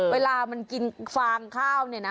เวลามันกินฟางข้าวเนี่ยนะ